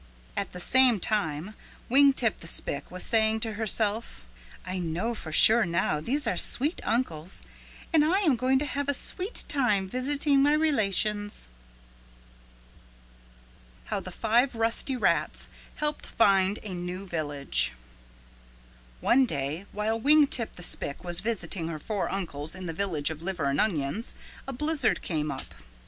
At the same time Wing Tip the Spick was saying to herself, "I know for sure now these are sweet uncles and I am going to have a sweet time visiting my relations." How the Five Rusty Rats Helped Find a New Village One day while Wing Tip the Spick was visiting her four uncles in the Village of Liver and Onions, a blizzard came up.